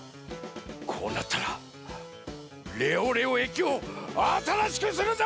こうなったらレオレオえきをあたらしくするざんす！